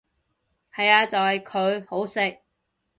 係呀就係佢，好食！